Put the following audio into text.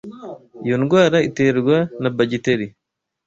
Iyo ndwara iterwa na bagiteri.